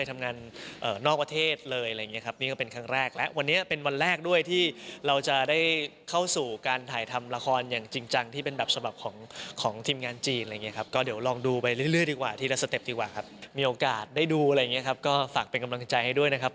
มีโอกาสได้ดูก็ฝากเป็นกำลังใจให้ด้วยนะครับ